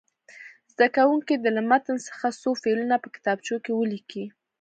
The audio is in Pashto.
زده کوونکي دې له متن څخه څو فعلونه په کتابچو کې ولیکي.